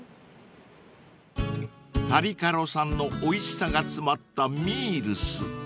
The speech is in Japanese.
［タリカロさんのおいしさが詰まったミールス］